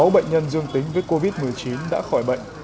một mươi sáu bệnh nhân dương tính với covid một mươi chín đã khỏi bệnh